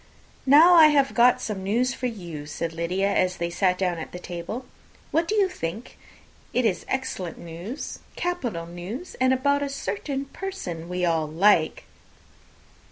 "Now I have got some news for you," said Lydia, as they sat down to table. "What do you think? It is excellent news, capital news, and about a certain person that we all like."